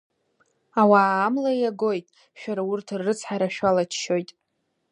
Ауаа амла иагоит, шәара урҭ ррыцҳара шәалачоит.